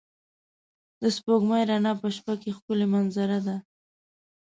د سپوږمۍ رڼا په شپه کې ښکلی منظره ده.